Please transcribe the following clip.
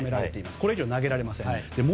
これ以上投げられません。